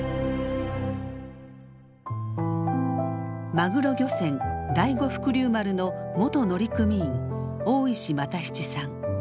マグロ漁船第五福竜丸の元乗組員大石又七さん。